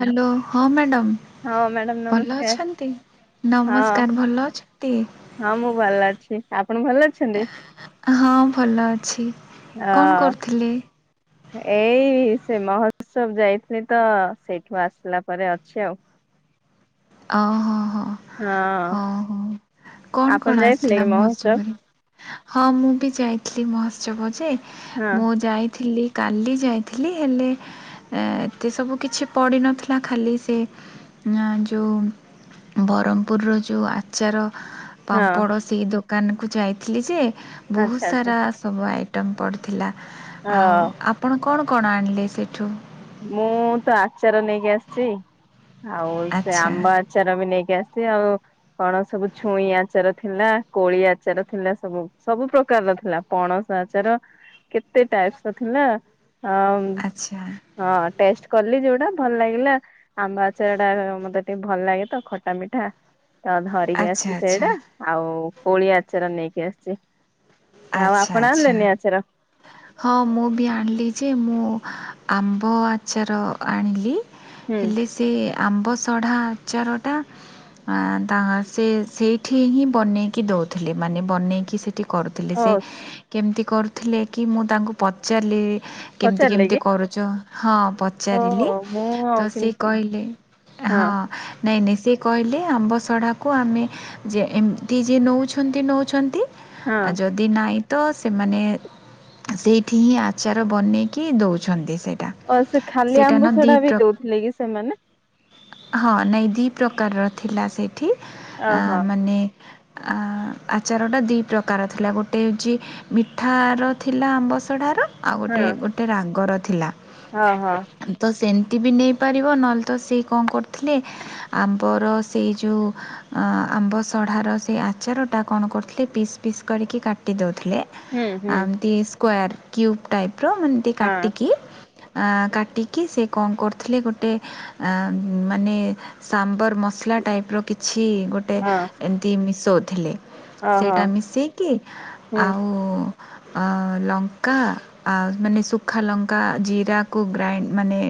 Hello ହଁ madam. ହଁ madam ଭଲ ନମସ୍କାର ଅଛନ୍ତି ହଁ ନମସ୍କାର ଭଲ ଅଛନ୍ତି? ହଁ ମୁଁ ଭଲ ଅଛି ଆପଣ ଭଲ ଅଛନ୍ତି? ହଁ ଭଲ ଅଛି। ଅ କଣ କରୁଥିଲେ? ଏଇ ସେ ମହୋତ୍ସବ ଯାଇଥିଲି ତ ସେଇଠୁ ଆସିଲା ପରେ ଅଛି ଆଉ। ଓ ହୋ ହୋ। ହଁ ହଁ। କଣ ଆପଣ କଣ ଯାଇଥିଲେ ଆସିଥିଲା କି ମହୋତ୍ସବ ମହୋତ୍ସବରେ ହଁ ମୁଁ ବି ଯାଇଥିଲି ମହୋତ୍ସବଜେ। ହଁ ମୁଁ ଯାଇଥିଲି। କାଲି ଯାଇଥିଲି ହେଲେ ଏତେ ସବୁ କିଛି ପଡ଼ିନଥିଲା ଖାଲି ସେ ଯେଉଁ ବ୍ରହ୍ମପୁରର ଯେଉଁ ଆଚାର ହଁ ପାମ୍ପଡ଼ ସେ ଦୋକା ଦୋକାନକୁ ଯାଇଥିଲି ଯେ- ବହୁତ ଆଚ୍ଛା ଆଚ୍ଛା। ସାରା ସବୁ ଆଇ। ଟଙ୍ଗ ପଡ଼ିୁଥିଲା। ଆଉ ହଁ ଆପଣ। କଣ କଣ ଆଣିଲେ ସେଇଠୁ ମୁଁ ତ ଆଚାର ନେଇକି ଆସିଛି। ଆଉ ସେ ଆଚ୍ଛା ଆମ୍ବ ଆଚାର ବି ନେଇକି। ଆସି ଆଉ କଣ ସବୁ ଛୁଇଁ ଆଚାର ଥିଲା କୋଳି ଆଚାର ଥିଲା ସବୁ ସବୁ ପ୍ରକାରର ଥିଲା ପଣସ ଆଚାର କେତେ ଟାଇପସ ର ଥିଲା। ହଁ। ଆଚ୍ଛା ହଁ ଟେଷ୍ଟ କଲି ଯୋଉଟା ଭଲ ଲାଗିଲା ଆମ୍ବା ଆଚାର ଟା ମତେ ଟିକେ ଭଲ ଲାଗେ ତ ଖଟା ମିଠା। ତ ଧରିକି ଆଚ୍ଛା ଆଚ୍ଛା ଆସିଛି ସେଇଟା ଆଉ। କୋଳିଆ ଆଚାର ନେଇକି ଆସିଛି। ଆଉ ଆଚ୍ଛା ଆପଣ ଆଚଛା ଆଣିଲେନି ଆଚାର ହଁ ମୁଁ ବି ଆଣିଲି ଯେ ମୁଁ। ଆମ୍ବ ଆଚାର ଆଣିଲି। ହୁଁ ହେଲେ ସେ ଆମ୍ବ ସଢ଼ା ଆଚାରଟା ତାଙ୍କ ସେ ସେଇଠି ହିଁ ବନେଇକି ଦେଉଥିଲେ ମାନେ ବନେଇକି ସେଇଠି କରୁଥିଲେ। ଥିଲେ ଓ ସେ କେମିତି କରୁଥିଲେ କି ମୁଁ ତାଙ୍କୁ ପଚାରିଲି। କେମତି ପଚାରିଲେ କେମିତି କି କରୁଛ। ହଁ।। ପଚାରିଲି ଓହୋ ମୁଁ ତ ଆଉ କି ସେ କହିଲେ, ହଁ, ନାହିଁ ନାହିଁ। ସେିକହିଲେ ଆମ୍ବ ସଢ଼ାକୁ ଆମେ ଯେ ଏମିତି ଯିଏ ନେଉଛନ୍ତି। ନଉଛନ୍ତି। ହଁ ଆଉ ଯଦି ନାଇଁ। ତ ସେମାନେ ସେଇଠି ହିଁ ଆଚାର ବନେଇକି ଦେଉଛନ୍ତି। ଅ ସେ ଖାଲି ଆମ୍ବୁ ସେଡା ବି ଦଉଥିଲେ କି ସେମାନେ। ହଁ ନାଇଁ। ଦୁଇ ପ୍ରକାରର ଥିଲା ସେଇ ଠିକ ଓହୋ ମାନେ ଅ ଆଚାର ଟା ଦ୍ୱି ପ୍ରକା ପ୍ରକାର ଥିଲା ଗୋଟେ ହଉଚି, ମିଠାର ଥିଲା ଆମ୍ବଶଢ଼ାର ଆଉ ଗୋଟେ ଗୋଟେ ରାଗର ଥିଲା। ହଁ ହଁ। ତ ସେମିତି ବି ନେଇପାରିବ ନହେଲେ ତ ସେ କଣ କରଥିଲେ, ଆମ୍ବର ସେଇ ଯଉଁ ଆମ୍ବ ସଢ଼ାର ସେଇ ଆଚାରଟା କଣ କରିଥିଲେ ପିସ୍ ପିସ୍ କରିକି କାଟି ଦଉ ଥିଲେ ହୁଁ ହୁଁ ଆମତି ସ୍କ୍ୱେର କ୍ୟୁବ ଟାଇପ। ଟାଇପ୍ ର ମନେ ଏମିତି ହଁ କାଟିିକି କାଟିକି ସେ କଣ କରୁଥିଲେ ଗୋଟେ ଏ ମାନେ ର ମସଲା ଟାଇପ ର କିଛି ଗୋଟେ ଏମିତି ଶୋଧିଲେ। ହ ହଁ। କି ହୁଁ ଆଉ ଆ ଲଙ୍କା ଆଉ ମାନେ ଶୁଖା ଲଙ୍କା ଜିରାକୁ ଗ୍ରାଇଣ୍ଡ ମାନେ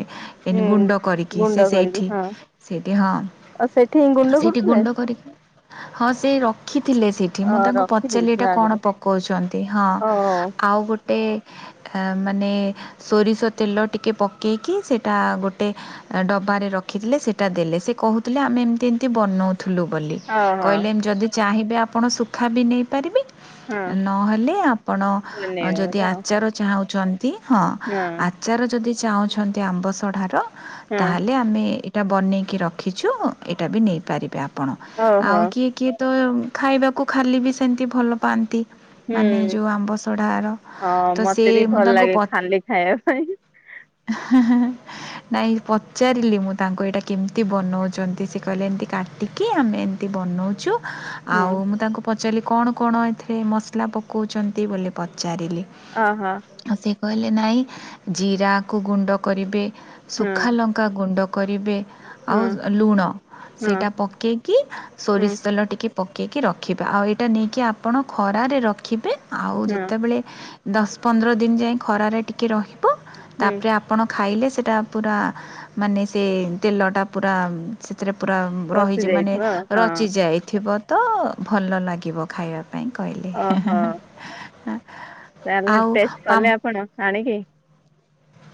ଏମି ଗୁଣ୍ଡ ହୁଁ କରିକି ସେ ଗୁଣ୍ଡ କରିକି ସେଇଠି ହଁ ସେଇଠି ହଁ ଆଉ ସେଠି ଗୁଣ୍ଡ ସେଇଠି କରୁଥିଲେ ଗୁଣ୍ଡ କରିକି ହଁ ସେଇ ର ଦେଖିଥିଲେ ସେଇଠି ଅ ମୁଁ ତାଙ୍କୁ ପ ସେଇଟା ରଖିଦେଇଥିଲା କଣ ଆଗରୁ ପକଉଛନ୍ତି ହଁ ଓ ଆଉ ଗୋଟ ଟେ ଏ ମାନେ ସୋରିଷ ତେଲ ଟିକେ ପକେଇକି ସେଇଟା ଗୋଟେ ଡବାରେ ରଖିଥିଲେ ସେଇଟା ଦେଲେ ସେ କହୁଥିଲେ ଆମେ ଏମିତି ଏମିତି ବନଉ ଥିଲୁ ବୋଲି ହଁ ହଁ କହିଲେ ଯଦି ଚାହିଁବେ ଆ ଆପଣ ସୁଖା ବି ନେଇ ପାରିବି। ହଁ ନହେଲେ ଆପଣ ବନେଇବା ଯଦି ବାଲା ଆଉ ଆଚାର ଚାହୁଁ ଜ ନ୍ତି ହଁ ଆଚାର ଯଦି ଚାହୁଁଛନ୍ତି ଆମ୍ବ ସଢ଼ାର ହଁ ତାହେଲେ ଆମେ ଏଟା ବନେଇକି ରଖିଚୁ, ଏଇଟା ବି ନେଇପାରିବେ ଆପ ପଣ ଓହୋ ଆଉ କିଏ କିଏ? ତ ଖାଇବାକୁ ଖାଲି ବି ସେମିତି ଭଲ ପାଆନ୍ତି। ହୁଁ ମାନେ ଯୋଉ ଆମ୍ବସଢାର ହଁ ତ ସେ ମତେ ବି ମୁଁ ଭଲ ତାଙ୍କୁ ଲାଗେ ପ, ଖାଲି ଖାଇବା ପାଇଁ ହେଁହେଁହେଁ। ନାଇଁ ପଚାରିଲି ମୁଁ ତାଙ୍କୁ ଏଇଟା କେମିତି ବନଉଛନ୍ତି ସେ କହିଲେ ଏମିତି କାଟିକି ଆମେ ଏମିତି ବନଉଛୁ। ହଁ ଆଉ ମୁଁ ତାଙ୍କୁ ପଚ୍ ଆକ୍ଚୁଆଲି କଣ କଣ ଏଥିରେ ମସଲା ପକଉଛନ୍ତି ବୋଲି ପଚ୍ ପାରିଲି ଓହୋ ଆଉ ସେ କହିଲେ ନାଇଁ ଜିରାକୁ ଗୁଣ୍ଡ କରିବେ। ହଁ ଶୁଖାଲଙ୍କା ଗୁଣ୍ଡ। କରିବେ। ଆଉ ହଁ ଲୁଣ, ହଁ ସେଇଟା ପକେଇକି ହଁ ସୋରିଷ ତେଲ ଟିକେ ପକେଇକି ରଖିବା ଆଉ ଏ ଏଇଟା ନେଇକି ଆପଣ ଖରାରେ ରଖିବେ। ଆଉ ହଁ ଯେତେବେଳେ ଦଶ ପନ୍ଦର ଦିନ ଯାଏ ଖରାରେ ଟିକିଏ ରହି ତ ହୁଁ ତାପରେ ଆପଣ ଖାଇଲେ ସେଟା ପୁରା ମାନେ ସେ ତେଲଟା ପୁରା ସେଥିରେ ପୁରା ପଶି ରହିଛି ମାନେ ଯାଇଥିବ ଆଉ ହଁ ରଚିଯାଇଥିବ। ତ ଭଲ ଲାଗେ। ଗିବ ଖାଇବା ପାଇଁ କହିଲେ ହେଁ-ହେଁ ଏଁ। ତା ହେଲେ ଟେଷ୍ଟ୍ କଲେ ଆପଣ, ଆଣିକି?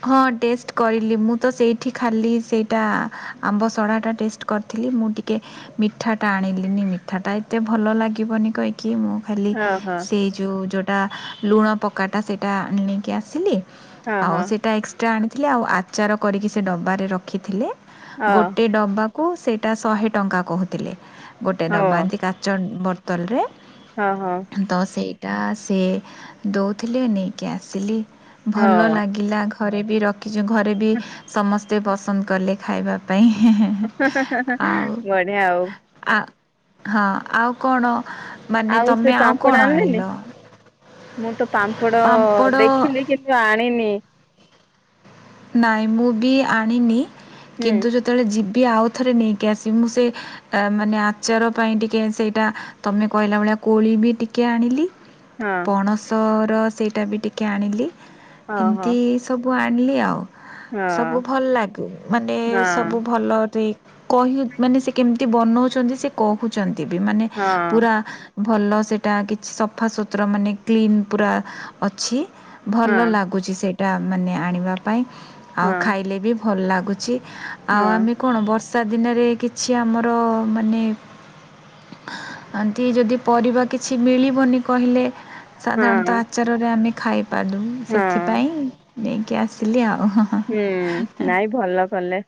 ହଁ ଟେଷ୍ଟ କରିଲି ମୁଁ ତ ସେଇଠି ଖାଲି ସେଇଟା ଆମ୍ବ ସଡ଼ାଟା ଟେଷ୍ଟ କରିଥିଲି ମୁଁ ଟିକେ ମିଠାଟା ଆଣିଲିନି ମିଠାଟା ଏତେ ଭଲ ଲାଗିବନି କହିକି ମୁଁ ଖାଲି ଓହୋ ସେଇ ଯୋଉ ଜ ତ ଲୁଣ ପକାଟା ସେଇଟା ନେଇକି ଆସିଲି। ହଁ ହଁ। ଆଣିଥିଲେ ଆଉ ଆଚାର କରିକି ସେ ଡବାରେ ରଖିଥିଲେ। ହଁ ଗୋଟେ ଡବା କୁ ସେଇଟା ଶହେ ଟଙ୍କା କହୁଥିଲେ। ଗୋଟେ ହଉ ଡବା ଏମତି କାଚ ବଟ୍ ବୋତଲରେ ହଁ ହଁ ତ ସେ ଟା ସେ ଦଉଥିଲେ ନେଇକି ଆସିଲି। ଭଲ ହଁ ଲାଗିଲା ଆଗ ଘରେ ବିର କିଛି ଘରେ ବି ସମସ୍ ତେ ପସନ୍ଦ କଲେ ଖାଇବା ପାଇଁ। ଆଉ ବଢିଆ ଆଉ ଆ ହଁ ଆଉ କଣ ମାନେ ଆଉ ସେ ତମେ ପାମ୍ପଡ କଣ ଆଣିଲ? ଆଣିଲିନି। ମୁଁ ତ ପାମ୍ପଡ଼ ପାମ୍ପଡ଼ ଦେଖିଲି କିନ୍ତୁ ଆଣିନି। ନାଇଁ ମୁଁ ବି ଆଣିନି। ହୁଁ କିନ୍ତୁ ଯେତେବେଳେ ଯି ବି ଆଉଥରେ ନେଇକି ଆସିମି। ମୁଁ ସେ ତ ମାନେ ଆଚାର ପାଇଁ ଟିକେ ସେଇଟା ତୋମେ କହିଲା ଭଳିଆ କୋଳି ବି ଟିକିଏ ଆଣିଲି। ହଁ ପଣସ ର ସେଇଟା ବି ଟିକିଏ ଆଣିଲି। ଓହୋ ଏମିତି ସବ କୁ ଆଣିନଲି ଆଉ। ହଁ ସବୁ ଭଲ ଲାଗେ। ମାନେ ସବୁ ହଁ ଭଲ ଟି କହି ମାନେ ସେ କେମିତି ବନଉଛନ୍ତି ସେ କହୁଚନ୍ ତି ବି ମାନେ ହଁ ପୁରା ଭଲ ସେଟା କିଛି ସଫା ସୁୁତୁରା ମାନେ କ୍ଲିନ୍ ପୁରା ଅଛି। ଭଲ ହଁ ଲାଗୁଛି ସେ ଟା ମାନେ ଆଣିବା ପାଇଁ ଆଉ ହଁ ଖାଇଲେ ବି ଭଲ ଲା ଉଛି ଆଉ ହଁ ଆମେ କଣ ବରସ ଷା ଦିନରେ କିଛି ଆମର ମାନେ ଆଣ୍ଟି ଯଦି ପରିବା କିଛି ମିଳିବନି କହିଲେ। ସାଧାରଣତଃ ହଁ ଆଚାରରେ ଆମେ ଖାଏ ପାଦୁମ୍ ହଁ ସେଥିପାଇଁ ନେଇକି ଆ ସିଲି ଆ ହୁଁ ନାଇଁ ଭଲ କଲେ।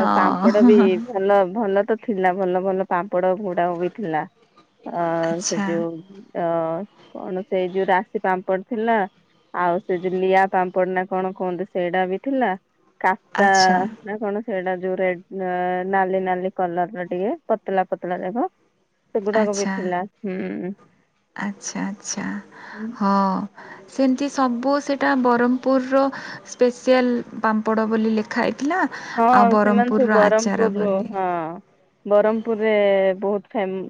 ଆଉ ପାମ୍ପଡ ବି ଭଲ ଭଲ ତ ଥିଲା ଭଲ ଭଲ ପାମ୍ପ ପଡ ଭୁଡା ବି ଥିଲା ଅ, ସେ ଆଚ୍ଛା ଯୋଉ ଉଁ, ତ କଣ ସେଇ ଯୋଉ ରାଶି ପାମ୍ପଡ ଥିଲା। ଆଉ ସେ ଯୋଉ ଲିଆ ପାମ୍ପଡ ନା କଣ କୁହନ୍ତୁ? ସେଇଟା ବି ଥିଲା। କାଟା ଆଚ୍ଛା ନା କଣ? ସେଇଟା ଯୋଉ ରେଡ ନାଲି ନାଲି କଲର ର ଟିକେ ପତଳା ପତଲା ଯାକ ଗୁଡ଼କ ବି ଥିଲା ହୁଁ । ଆଛା ଆଚଛା । ହୁଁ। ହଁ ସେମତି ସବୁ ସେଇଟା ବ୍ରହ୍ମପୁରର ସ୍ପେସିଆଲ ପାମ୍ପଡ଼ ବୋଲି ଲେଖା ହେଇ ହଁ ସେମାନେ ସବୁ ବ୍ରହମପୁରରୁୁ ହଁ ବୋଲି । ବ୍ରହ୍ମପୁରରେ ବହୁତ ଫେମ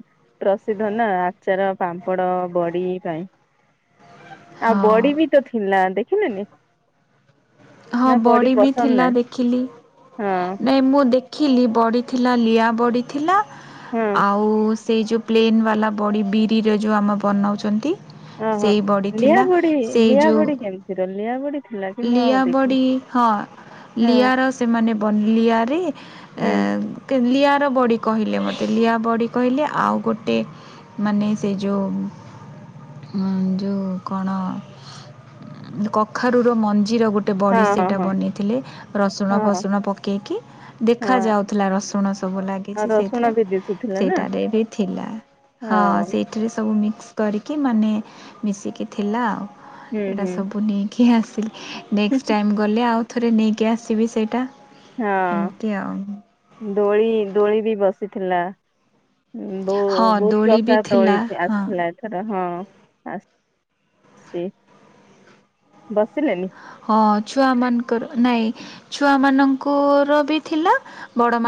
ପ୍ରସିଦ୍ଧ ନା ଆଚାର ପାମ୍ପଡ ବଡି ପାଇଁ । ଆଉ ହଁ ବଡି ବି ତ ଥିଲା ଦେ ବସିଲେଣି । ହଁ ବଡ଼ି ବି ଥିଲା ଦେଖିଲି ହଁ । ନାଇଁ ମୁଁ ଦେଖିଲି ବଢିଥିଲା ଲିଆ ବଢ଼ିଥିଲା ହଁ ଆଉ ସେ ଯୋଉ ପ୍ଲେନ୍ ବା କଲା ବଡ଼ି ବିରିରେ ଯେଉଁ ଆମେ ବନାଉଛନ୍ତି । ଓହୋ ଲିଆ ବଢ଼ି ଲିଆ ଯେଉଁ ବୁଢ କେମିତିର ଲିଆ ବୁଡି ଲିଆ ବଡି ହଁ ହଁ ଲିଆର ସେମାନେ ଲିଆରେ ହୁଁ ଲିଆର ବଡି । କହିଲେ ମତେ ଲିଆ ବଡି କହିଲେ ଆଉ ଗୋଟେ ମାନେ ସେ ଯୋଉ ଯୋଉ କଣ କଖାରୁ ମଞ୍ଚ ଜିର ଗୋଟେ ହଁ ବଡ଼ି ହଁ ସେଇଟା ହଁ ବନେଇଥିଲେ ରସୁଣ ହଁ ଫସୁଣ ପକେଇକି ହଁ ଦେଖାଯାଉଥିଲା ରସୁଣ ସବୁ ଆଉ ଲାଗିଛି ରସୁଣ ସେଇଥିରେ ବି ଦିଶୁଥିଲା ନା ସେଇଟାରେ ବି ଥିଲା ହଁ ସେଇଥିରେ ସବୁ ମିକ୍ସ କରିକି ମାନେ ମିଶିକି ଥିଲା ଆଉ ହୁଁ । ଏଇଟା ହୁଁ ସବୁ ନେଇକି ଆ ନେକ୍ସଟ ହୁଁ, ଟାଇମ୍ ଗଲେ ଆଉ ଥରେ ନେଇକି ଆସିବି ସେଇଟା ହଁ ଏମିତି ଆଉ ଡୋଳି ଡୋଳି ବି ବସ ଥିଲା । ହଁ ବହୁ ହଁ ବହୁତ ଦୋଳି ବି ପ୍ରକାର ଥିଲା ଦୋଳି ହଁ। ଆସିଥିଲା ଏଥର ହଁ । ସିଏ ବସିଲେନି । ହଁ ଛୁଆ ମାନଙ୍କର ନାଇଁ ଛୁଆ ମାନଙ୍କର ବି ଥିଲା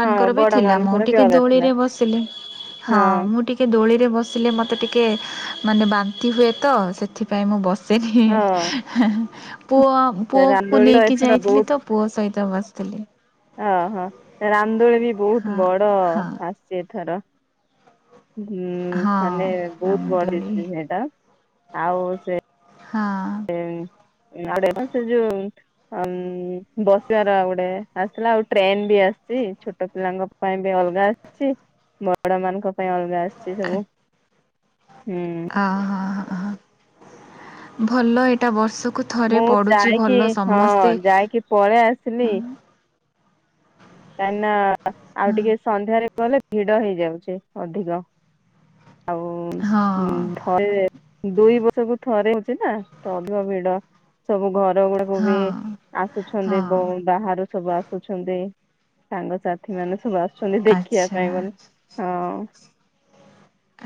ହଁ ବି ବଡ ଥିଲା ମୁଁ ମାନଙ୍କର ବି ଟିକେ ଅଲଗା ଥିଲା ଦୋଳିରେ ବସିଲି ହଁ ମୁଁ ଟିକିଏ ଦୋଳିରେ ବସିଲେ ମୋତେ ଟି ଟେ ମାନେ ବାନ୍ତି ହୁଏ ତ ସେଥିପାଇଁ ମୁଁ ବସି ସେ। ହଁ। [unintelligible] ପୁଅ ସେ ପୁଅକୁ ରାମଦୋଳି ତ ନେଇକି ଏଥର ଯାଇଥିଲି ତ ପୁଅ ସହିତ ତ ବସିଥିଲି। ଅ ହ ରାମ ରେ ବି ବହୁତ ହଁ। ବଡ ହଁ ଆସିଛି ଏଥର ହୁଁ ହଁ ସାନେ ବହୁତ ବଡ ରାମଦୋଳି ଦିଶୁଛି ସେଇଟା। ଆଉ ସେ ହଁ। ଆଉ ଗୋଟେ [unintelligible] ସେ ଯୋଉ ଅ ଉଁ ବସିବାର ଆଉ ଗୋଟେ ଆସଥିଲା ଆଉ ଟ୍ରେନ ବି ଆସିଛି ଛୋଟ ପିଲାଙ୍କ ପାଇଁ ବି ଅଲଗା ଆସିଛି ବଡମାନଙ୍କ ପାଇଁ ଅଲଗା ଆସ ସିଚି ସବୁ ହୁଁ। ଅ ହ ହ ହ ଭଲ ଏଇଟା ବର୍ଷକ ମୁଁ ଯାଇକି ହଁ ଯାଇକି ପଳେଇ ଆସିଲି ହଁ କାହିଁ ନା ଆଉ ହଁ ଟିକେ ସନ୍ଧ୍ୟାରେ ନ ହେଲେ ଭିଡ ହେଇଯାଉଛି ଅଧିକ ଆଉ ହଁ। ଧରେ ଦୁଇ ବର୍ଷକୁୁ ଥରେ ହଉଛି ନା ତ ଅଧିକ ଭିଡ ସବୁ ଘ ର ଗୁଡା କୁ ବି ହଁ, ଆସୁଛନ୍ତି ହଁ, ଏବଂ ବାହାରୁ ସବୁ ଆସୁଛନ୍ତି ସାଙ୍ଗସାଥିମାନେ ସବୁ ଆସ ଛନ୍ତି ଦେଖିବା ଆଚ୍ଛା, ପାଇଁ ବୋଲି ହଁ।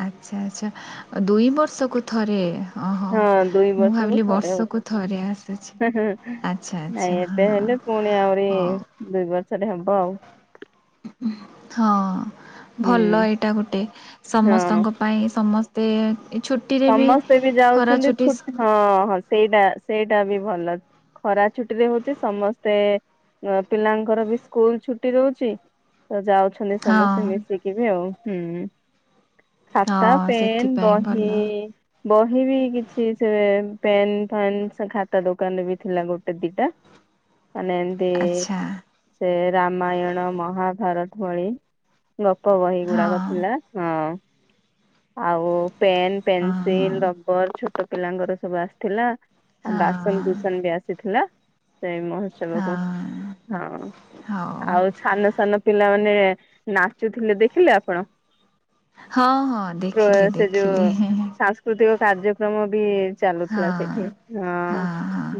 ଆଛା ଆଚ୍ଛା ଦୁଇ ବର୍ଷକୁ ଥରେ? ଓହୋ ହଁ ଦୁଇ ମୁଁ ବର୍ଷକୁ ଭାବିଲି ଥରେ ବର୍ଷକୁ ହଉଛି ଥରେ ଆସୁଛି। ଆଚ୍ଛା, ଆଚ୍ଛା, ନାଇଁ ଏବେ ହଁ, ହେଲେ ପୁଣି ଆଉରି ହଉ, ଦୁଇ ବ ର୍ଷରେ ହବ ଆଉ। ହଁ ହୁଁ ଭଲ ଏଇଟା ଗୋଟେ ହଁ ସମସ୍ତଙ୍କ ପାଇଁ ସମ ସ୍ତେ ସମସ୍ତେ ବି ଯାଉଛନ୍ତି ଛୁଟ୍ ସ- ହଁ ହଁ ସେଇଟା ସେଇଟା ବି ଭଲ ଖରା ଛୁଟିରେ ହଉଛି ସମସ୍ତେ ଅ ପିଲାଙ୍କର ବି ସ୍କୁଲ ଛୁଟି ରହୁଛି ତ ଯାଉଛନ୍ତି ହଁ, ସମସ୍ତେ ମିଶିକି ବି ଆଉ ହୁଁ। ଖାତା, ହଁ ପେନ୍, ସେଥିପାଇଁ ଭଲ। ବହି ବହି ବି କିଛି ସେ ପେନ୍, ଫେନ୍ ସେ ଖାତା ଦୋକାନରେ ବି ଥିଲା ଗୋଟେ ଦିଟା। ମାନେ ଏମିତି ଆଚ୍ଛା, ସେ ରାମାୟଣ ମହା ଭାରତ ଭଳି ଗପ ବହି ହଁ, ଗୁଡାକ ଥିଲା ହଁ। ଆଉ ପେନ୍ ହଁ, ପେନ୍ସିଲ ରବର ଛୋଟ ପିଲାଙ୍କର ସବୁ ଆସିଥିଲା। ହଁ, ଆଉ ହଁ, ବାସନ କୁସନ ବି ଆସିଥିଲା। ସେଇ ମହୋତ୍ସବକୁ। ହଁ। ହଁ ହଉ, ଆଉ ସାନ ସାନ ପିଲା ମାନେ ନାଚୁଥିଲେ, ଦେଖିଲେ ଆପଣ ହଁ ହଁ ପ୍ରୋ ଦେଖିଲି ସେ ଯୋଉ ଦେଖିଲି। ସାଂସ୍କୃତିକ କାର୍ଯ୍ୟକ୍ରମ ବି ଚାଲୁଥିଲା ହଁ ସେଇଠି। ହଁ,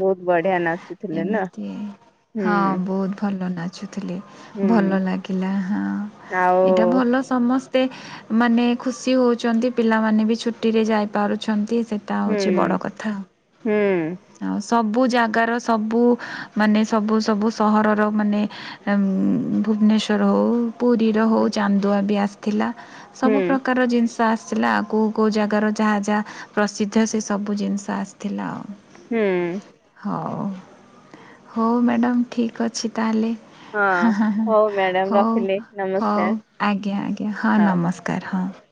ବହୁତ ବଢିଆ ନାଚ ମିତି, ହଁ ବହୁତ ଭଲ ନାଚୁଥିଲେ ହୁଁ ।ଭଲ ଲାଗିଲା। ହଁ, ଆଉ ଏଇଟା ଭଲ ସମସ୍ତ- ଏତେ ମାନେ, ଖୁସି ହଉଚନ୍ତି। ପିଲାମାନେ ବି ଛୁଟି ରେ ଯାଇ ପାରୁଛନ୍ତି ସେଇଟା ହୁଁ ହଉଚି ବଡ଼ କଥା। ହୁଁ ଆଉ ସବୁ ଜାଗାର ସବୁ ମାନେ ସବୁ ସବୁ ସହରର ମାନେ ଭୁବନେଶ୍ୱର ହଉ ପୁରୀର ହୁଁ ହଉ ଚାନ୍ଦୁଆ ବି ଆସ ଥିଲା । ହୁଁ ସବୁ ପ୍ରକାର ଜିନିଷ ଆସିଥିଲା ଆଉ କେଉଁ କେଉଁ ଜାଗାର ଯାହା ଯାହା ପ୍ରସିଦ୍ଧ ସେ ସବୁ ଜିନିଷ ଆସିଥିଲା ଆଉ। ହୁଁ। ହଉ ହଉ ମ୍ୟାଡ଼ମ୍ ଠିକ୍ ଅଛି ତାହେଲେ। ହଁ ହ ହ ହ ହଉ ମ୍ୟାଡାମ ହଉ ରଖିଲି ହଉ ନମସ୍କାର ଆଜ୍ଞା ଆଜ୍ଞା ହଁ ହଉ। ନମସ୍କାର ହଁ ।